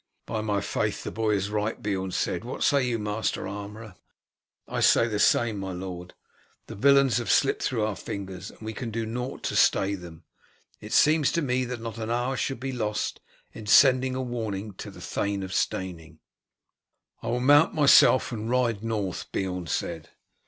"By my faith the boy is right," Beorn said. "What say you, master armourer?" "I say the same, my lord. The villains have slipped through our fingers, and we can do nought to stay them. It seems to me that not an hour should be lost in sending a warning to the Thane of Steyning." "I will mount myself and ride north," Beorn said.